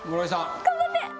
頑張って！